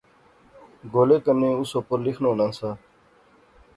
گولے کنے اُس اُپر لیخنونا سا